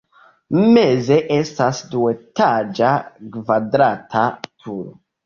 Meze estas duetaĝa kvadrata turo.